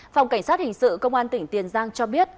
phòng cảnh sát hình sự công an tỉnh tiền giang cho biết